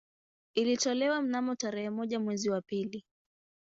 Ilitolewa mnamo tarehe moja mwezi wa pili